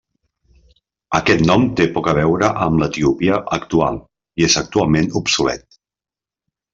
Aquest nom té poc a veure amb l'Etiòpia actual i és actualment obsolet.